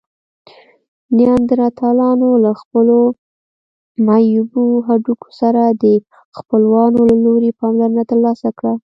نیاندرتالانو له خپلو معیوبو هډوکو سره د خپلوانو له لوري پاملرنه ترلاسه کړه.